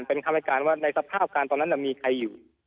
เป็นคำให้การว่าในสภาพการตอนนั้นมีใครอยู่